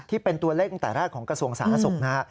ที่เป็นตัวเลขตั้งแต่แรกของกระทรวงสาธารณสุขนะฮะ